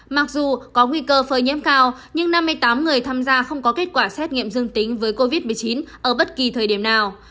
mặc dù có nguy cơ phơi nhiễm cao nhưng năm mươi tám người tham gia không có kết quả xét nghiệm dương tính với covid một mươi chín ở bất kỳ thời điểm nào